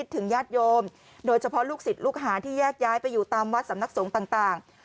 ถึงญาติโยมโดยเฉพาะลูกศิษย์ลูกหาที่แยกย้ายไปอยู่ตามวัดสำนักสงฆ์ต่าง